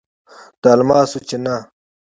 د الماسو چینه